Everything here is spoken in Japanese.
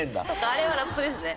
あれはラップですね。